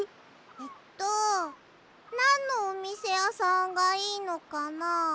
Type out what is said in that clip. えっとなんのおみせやさんがいいのかな？